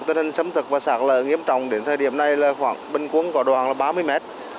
tình hình xâm thực và xác lợi nghiêm trọng đến thời điểm này khoảng bình cuốn có đoạn ba mươi mét